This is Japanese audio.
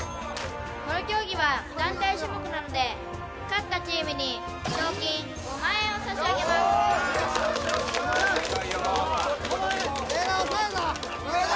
この競技は団体種目なので勝ったチームに賞金５万円を差し上げますよしよしよしよし・植田！